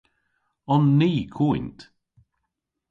On ni koynt?